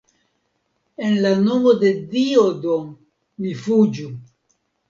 En la nomo de Dio do, ni fuĝu.